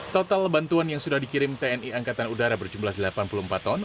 total bantuan yang sudah dikirim tni angkatan udara berjumlah delapan puluh empat ton